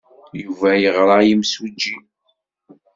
Yuba yeɣra i yimsujji.